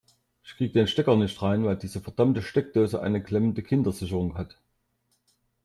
Ich kriege den Stecker nicht rein, weil diese verdammte Steckdose eine klemmende Kindersicherung hat.